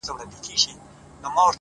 صبر د اوږدو سفرونو توښه ده؛